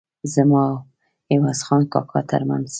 زما او عوض خان کاکا ترمنځ.